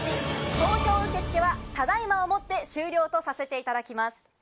投票受け付けは、ただいまをもって終了とさせていただきます。